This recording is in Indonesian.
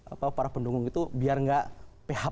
apa para pendukung itu biar nggak php gitu ya